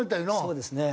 そうですね。